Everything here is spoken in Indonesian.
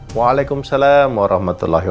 ketemu lagi di video selanjutnya